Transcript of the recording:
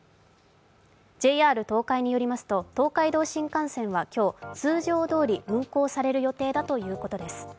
ＪＲ東海によりますと、東海道新幹線は今日通常どおり運行される予定だということです。